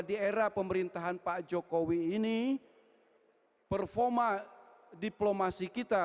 di era pemerintahan pak jokowi ini performa diplomasi kita